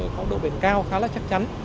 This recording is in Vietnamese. có độ biển cao khá là chắc chắn